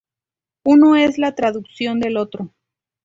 Uno es la traducción del otro.